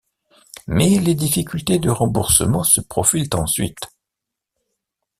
Mais les difficultés de remboursement se profilent ensuite.